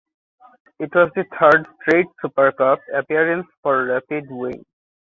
It was the third straight Supercup appearance for Rapid Wien.